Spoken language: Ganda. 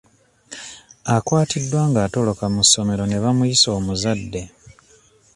Akwatiddwa nga atoloka mu ssomero ne bamuyisa omuzadde.